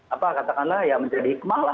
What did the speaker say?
apa katakanlah ya menjadi hikmah lah